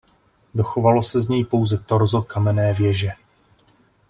Dochovalo se z něj pouze torzo kamenné věže.